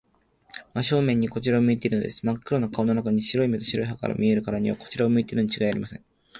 真正面にこちらを向いているのです。まっ黒な顔の中に、白い目と白い歯とが見えるからには、こちらを向いているのにちがいありません。